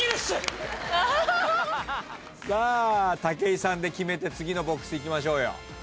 さあ武井さんで決めて次のＢＯＸいきましょうよ。